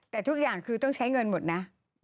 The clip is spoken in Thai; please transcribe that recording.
แต่ทุกอย่างคือต้องใช้เงินหมดนะ